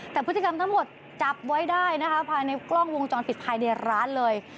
แต่พฤติกรรมทั้งหมดจับไว้ได้นะคะภายในกล้องวงจรปิดภายในร้านเลย